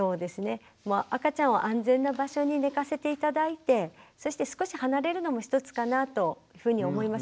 赤ちゃんを安全な場所に寝かせて頂いてそして少し離れるのも一つかなというふうに思います。